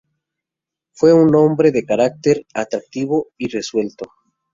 Fue un hombre de gran carácter, activo y resuelto.